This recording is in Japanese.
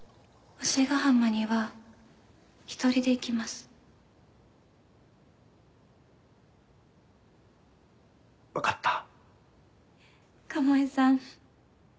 星ヶ浜には１人で行きます分かった鴨居さん